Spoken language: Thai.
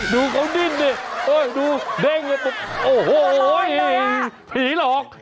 ดูเขาดิ้นดิดูเด้งอย่างนี้โอ้โหผีหลอก